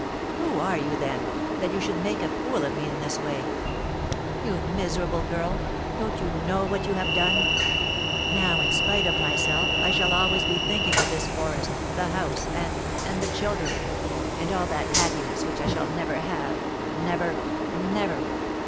Who are you, then, that you should make a fool of me in this way? You, miserable girl, don't know what you have done! Now, in spite of myself, I shall always be thinking of this forest, the house, and and the children and all that happiness which I shall never have never never!